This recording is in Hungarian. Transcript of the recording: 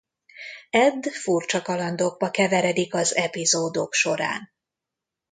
Edd furcsa kalandokba keveredik az epizódok során.